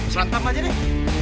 serangkap aja deh